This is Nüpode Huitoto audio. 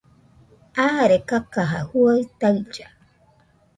Aare kakaja juaɨ tailla